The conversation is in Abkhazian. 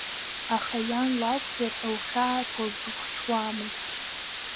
Аха иан лакәзар, лхьаақәа лзыхҽуамызт.